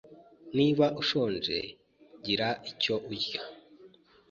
Niba ushonje, gira icyo kurya.